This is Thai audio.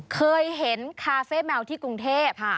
เคยเห็นคาเฟ่แมวที่กรุงเทพ